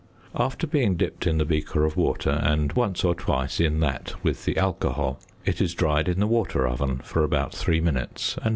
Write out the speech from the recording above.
After being dipped in the beaker of water and once or twice in that with the alcohol, it is dried in the water oven for about three minutes, and then weighed.